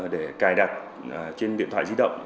để cài đặt trên điện thoại di động